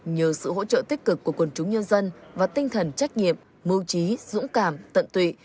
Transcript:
nhờ sự hỗ trợ tích cực của quần chúng nhân dân và tinh thần trách nhiệm mưu trí dũng cảm tận tụy